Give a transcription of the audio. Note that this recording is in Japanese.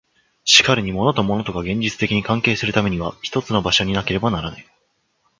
しかるに物と物とが現実的に関係するためには一つの場所になければならぬ。